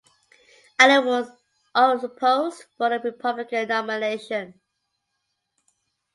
Allen was unopposed for the Republican nomination.